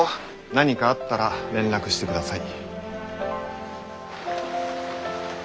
何かあったら連絡してください。